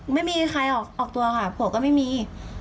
ไม่มีใครออกตัวค่ะผัวก็ไม่มี